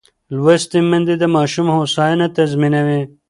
لوستې میندې د ماشوم هوساینه تضمینوي.